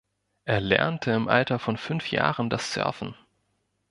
Er lernte im Alter von fünf Jahren das Surfen.